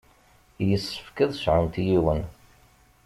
Yessefk ad sɛunt yiwen.